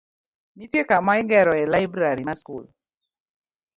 Nitie kama igeroe laibrari mar skul.